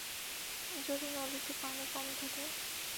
যদি নদীতে পানি কম থাকে।